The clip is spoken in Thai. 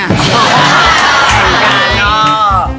อ๋อคลิกกันอ๋อ